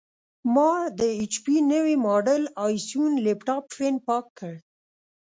ما د ایچ پي نوي ماډل ائ سیون لېپټاپ فین پاک کړ.